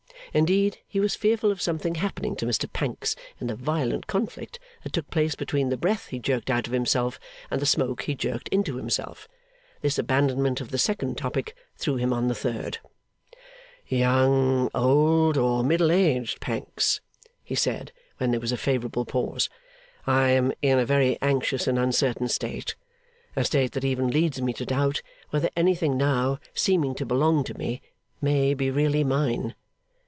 Indeed, he was fearful of something happening to Mr Pancks in the violent conflict that took place between the breath he jerked out of himself and the smoke he jerked into himself. This abandonment of the second topic threw him on the third. 'Young, old, or middle aged, Pancks,' he said, when there was a favourable pause, 'I am in a very anxious and uncertain state; a state that even leads me to doubt whether anything now seeming to belong to me, may be really mine.